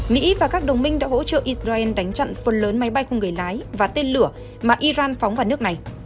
mỹ và các đồng minh đã hỗ trợ israel đánh chặn phần lớn máy bay không người lái và tên lửa mà iran phóng vào nước này